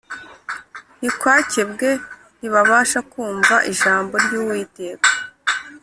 ntikwakebwe ntibabasha kumva ijambo ry Uwiteka